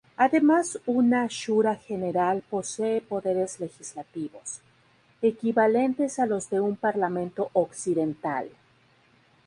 Además una shura general posee poderes legislativos, equivalentes a los de un parlamento occidental.